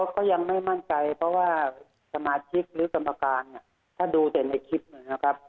ก็ยังไม่มั่นใจเพราะว่าสมาชิกหรือกรรมการเนี่ยถ้าดูแต่ในคลิปนะครับ